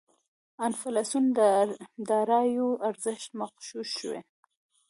انفلاسیون داراییو ارزش مغشوشوي.